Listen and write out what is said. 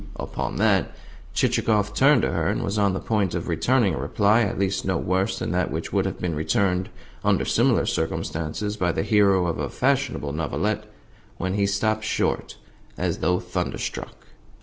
Upon that Chichikov turned to her, and was on the point of returning a reply at least no worse than that which would have been returned, under similar circumstances, by the hero of a fashionable novelette, when he stopped short, as though thunderstruck.